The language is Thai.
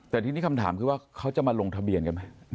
แต่ทีนี้คำถามคือว่าเขาจะมาลงทะเบียนกันไหม